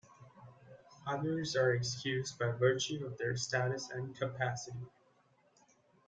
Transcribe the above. Others are excused by virtue of their status and capacity.